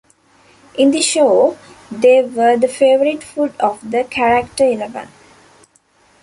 In the show, they were the favorite food of the character Eleven.